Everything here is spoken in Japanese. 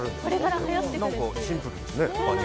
シンプルですね。